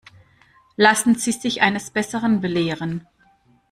Lassen Sie sich eines Besseren belehren.